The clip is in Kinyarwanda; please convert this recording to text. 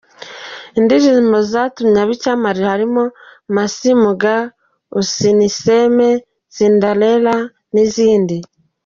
Indirimbo zatumye aba icyamamare harimo Mac Muga, Usiniseme, Cinderella n’izindi.